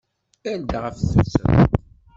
Err-d ɣef tuttra.